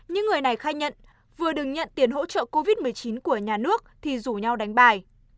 những người này khai nhận vừa được nhận tiền hỗ trợ covid một mươi chín của nhà nước thì rủ nhau đánh bài